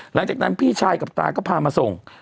หลังจากนั้นพี่ชายกับตาก็พามาส่ง